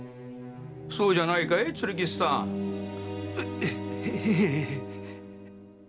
そうじゃないかい鶴吉さん？へへえ。